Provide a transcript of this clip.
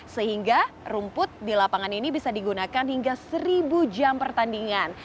sehingga rumput di lapangan ini bisa digunakan hingga seribu jam pertandingan